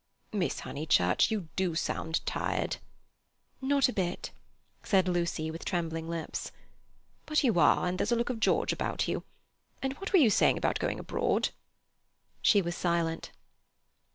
"Miss Honeychurch, you do sound tired." "Not a bit," said Lucy, with trembling lips. "But you are, and there's a look of George about you. And what were you saying about going abroad?" She was silent.